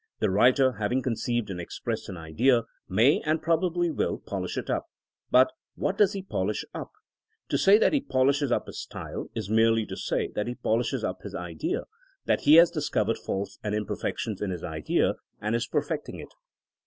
The writer, having conceived and expressed an idea, may, and probably will, 'polish it up.' But what does he polish up ? To say that he. pol i'shes up his style is merely to say that he pol ishes up his idea, that he has discovered faults and imperfections in his idea, and is perfecting it.